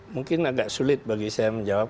mungkin agak sulit bagi saya menjawab